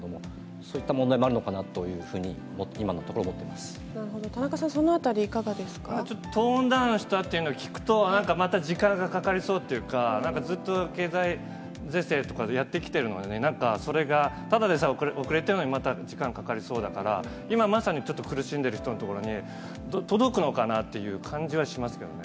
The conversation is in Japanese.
そういった問題もあるのかなというふうに、今のところ思っていま田中さん、そのあたり、ちょっと、トーンダウンしたというのを聞くと、また時間がかかりそうっていうか、なんか、ずっと経済是正とか、やってきてるのに、なんかそれが、ただでさえ遅れてるのに、また時間かかりそうだから、今まさにちょっと苦しんでいる人の所に、届くのかなという感じはしますけどね。